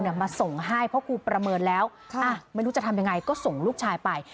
มาส่งให้เพราะครูประเมินแล้วไม่รู้จะทำยังไงก็ส่งลูกชายไป